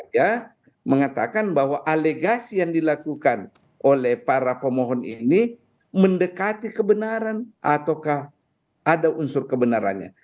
ya mengatakan bahwa alegasi yang dilakukan oleh para pemohon ini mendekati kebenaran ataukah ada unsur kebenarannya